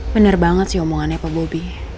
bener banget sih omongannya pak bobby